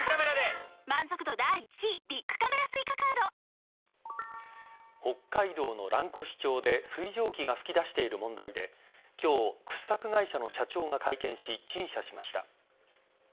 今シーズン１４度目の北海道の蘭越町で水蒸気が噴き出している問題で今日、掘削会社の社長が会見し陳謝しました。